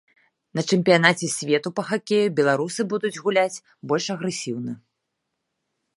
На чэмпіянаце свету па хакеі беларусы будуць гуляць больш агрэсіўна.